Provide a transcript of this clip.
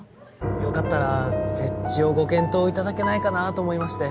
よかったら設置をご検討いただけないかなと思いまして。